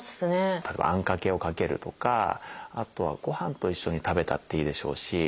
例えばあんかけをかけるとかあとはご飯と一緒に食べたっていいでしょうし。